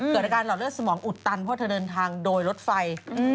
เกิดอาการหลอดเลือดสมองอุดตันเพราะเธอเดินทางโดยรถไฟ